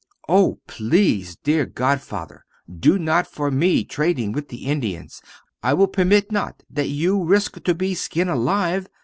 Oh please, dear godfather, do not for me trading with the Indians! I will permit not that you risk to be skin alive.